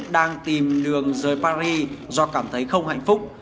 đang tìm lường rời paris do cảm thấy không hạnh phúc